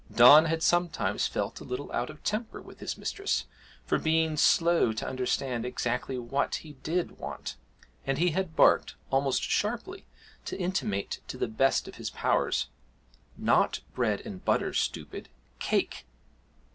Don had sometimes felt a little out of temper with his mistress for being slow to understand exactly what he did want, and he had barked, almost sharply, to intimate to the best of his powers 'Not bread and butter, stoopid cake!'